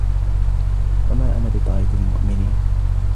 وَمَا أَنَا بِطَارِدِ الْمُؤْمِنِينَ